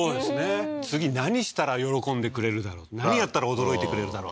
次何したら喜んでくれるだろう何やったら驚いてくれるだろう